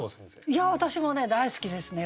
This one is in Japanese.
いや私もね大好きですね